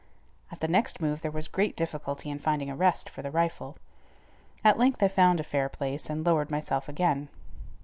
At the next move there was great difficulty in finding a rest for the rifle. At length I found a fair place, and lowered myself again.